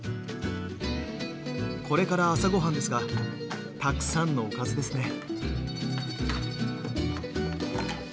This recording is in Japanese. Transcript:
これから朝ごはんですがたくさんのおかずですね。